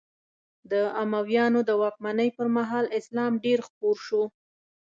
د امویانو د واکمنۍ پر مهال اسلام ډېر خپور شو.